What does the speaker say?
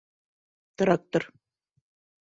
ТРАКТОР